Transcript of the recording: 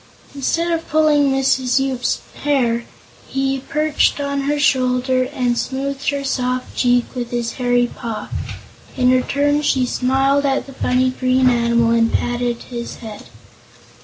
Instead of pulling Mrs. Yoop's hair, he perched on her shoulder and smoothed her soft cheek with his hairy paw. In return, she smiled at the funny green animal and patted his head.